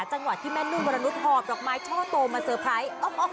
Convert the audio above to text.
จังหวะที่แม่นู่นมรนุธหอดจากไม้โทรมาสเซอร์ไพรส์